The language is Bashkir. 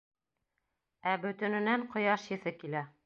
Ә бөтөнөнән ҡояш еҫе килә.